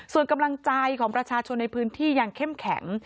ส่วนกำลังใจของประชาชนในพื้นที่ยังเข้มแข็ง